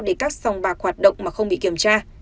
để các sòng bạc hoạt động mà không bị kiểm tra